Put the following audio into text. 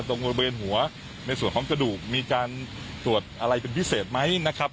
ตรงบริเวณหัวในส่วนของกระดูกมีการตรวจอะไรเป็นพิเศษไหมนะครับ